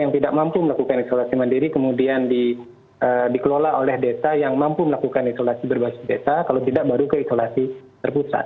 yang mampu melakukan isolasi mandiri keluarga mana yang tidak mampu melakukan isolasi mandiri kemudian dikelola oleh desa yang mampu melakukan isolasi berbasis desa kalau tidak baru ke isolasi terpusat